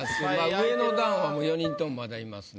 上の段４人ともまだいますね。